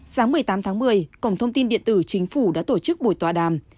sáng một mươi tám tháng một mươi cổng thông tin điện tử chính phủ đã tổ chức buổi tòa đàm